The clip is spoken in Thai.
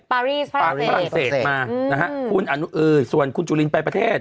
ปารีสปรังเศสปรังเศสมาอืมนะฮะคุณเออส่วนคุณจุลินไปประเทศ